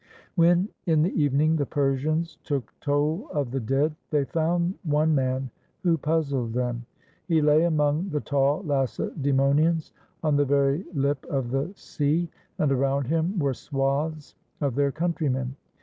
... When in the evening the Persians took toll of the dead, they found one man who puzzled them. He lay among the tall Lacedaemonians, on the very lip of the sea, and around him were swaths of their countrymen.